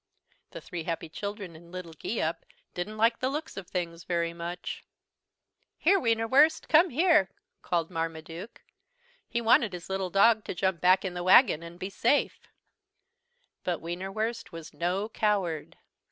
The three happy children and Little Geeup didn't like the looks of things very much. "Here, Wienerwurst come here," called Marmaduke. He wanted his little dog to jump back in the wagon and be safe. But Wienerwurst was no coward.